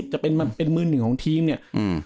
จะเป็นมือหนึ่งของทีมเนี่ย